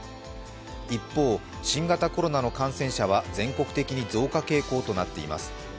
一方、新型コロナの感染者は全国的に増加傾向となっています。